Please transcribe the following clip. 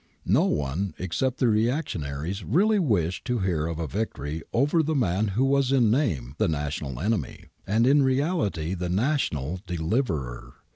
No one except the reactionaries really wished to hear of a victory over the man who was in name the national enemy, and in reality the national deliverer.